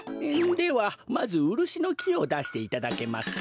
ではまずウルシのきをだしていただけますか。